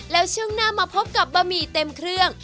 แล้วช่วงหน้ามาพบกับบะหมี่เต็มเครื่อง